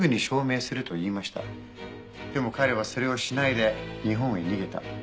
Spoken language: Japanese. でも彼はそれをしないで日本へ逃げた。